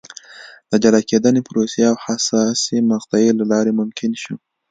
د جلا کېدنې پروسې او حساسې مقطعې له لارې ممکن شو.